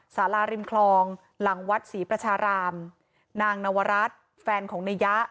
สาราริมคลองหลังวัดศรีประชารามนางนวรัฐแฟนของนายยะ